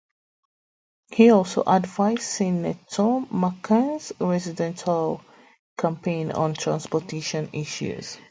He also advised Senator McCain's Presidential campaign on transportation issues.